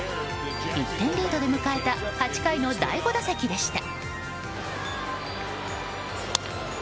１点リードで迎えた８回の第５打席でした。